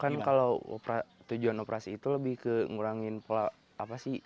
kan kalau tujuan operasi itu lebih ke ngurangin pola apa sih